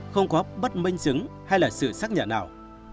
không có bất minh chứng hay là sự xác nhận nào